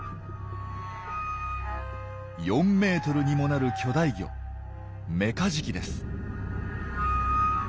４ｍにもなる巨大魚メカジキです。